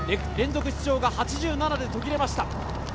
連続出場が８７で途切れました。